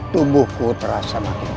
tubuhku terasa makin baik